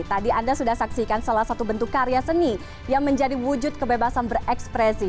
tadi anda sudah saksikan salah satu bentuk karya seni yang menjadi wujud kebebasan berekspresi